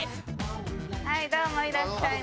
はいどうもいらっしゃいませ。